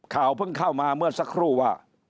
ข่าวเพิ่งเข้ามาเมื่อสักครู่ว่า